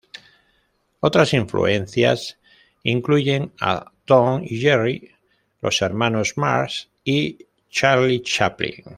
Otras influencias incluyen a Tom y Jerry, los Hermanos Marx, y Charlie Chaplin.